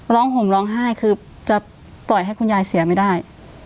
ห่มร้องไห้คือจะปล่อยให้คุณยายเสียไม่ได้